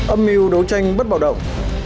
âm mưu đấu tranh bất bảo động